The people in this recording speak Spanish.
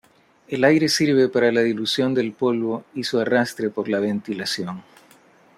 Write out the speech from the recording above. El aire sirve para la dilución del polvo y su arrastre por la ventilación.